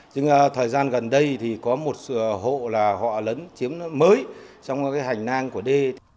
nhưng thời gian gần đây thì có một hộ là họ lấn chiếm mới trong cái hành nang của d